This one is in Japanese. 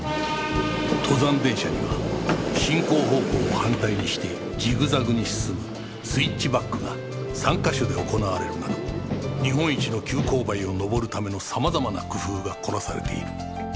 登山電車には進行方向を反対にしてジグザグに進むスイッチバックが３カ所で行われるなど日本一の急勾配を登るための様々な工夫が凝らされている